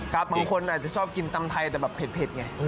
บางคนอาจจะชอบกินตำไทยแต่แบบเผ็ดไง